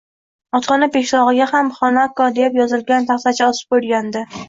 Otxona peshtoqiga ham Xanako deb yozilgan taxtacha osib qo`yilgandi